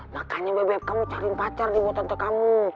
makanya bebep kamu cariin pacar di bawah tante kamu